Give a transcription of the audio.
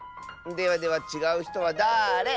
ではでは「ちがうひとはだれ？」。